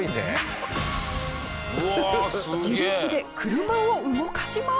自力で車を動かします。